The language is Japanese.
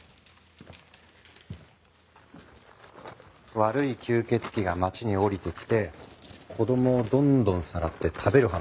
悪い吸血鬼が町に降りてきて子供をどんどんさらって食べる話。